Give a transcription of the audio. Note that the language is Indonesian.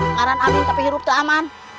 karena amin tapi hidupnya aman